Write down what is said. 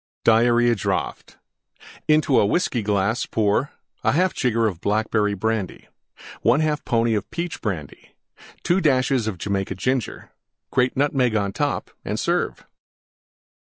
DIARRHEA DRAUGHT Into a Whiskey glass pour: 1/2 jigger Blackberry Brandy. 1/2 pony Peach Brandy. 2 dashes Jamaica Ginger. Grate Nutmeg on top and serve.